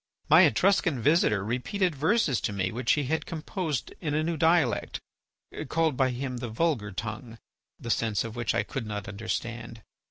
My Etruscan visitor repeated verses to me which he had composed in a new dialect, called by him the vulgar tongue, the sense of which I could not understand.